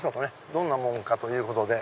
どんなもんかということで。